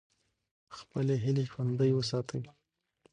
خپلې هیلې ژوندۍ وساتئ.